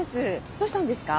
どうしたんですか？